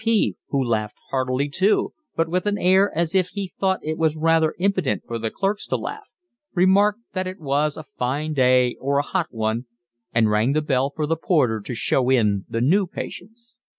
P., who laughed heartily too but with an air as if he thought it was rather impudent for the clerks to laugh, remarked that it was a fine day or a hot one, and rang the bell for the porter to show in the new patients.